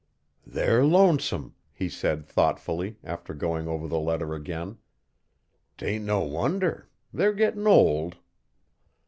'They're lonesome,' he said, thoughtfully, after going over the letter again. ''Tain't no wonder they're gittin' old.'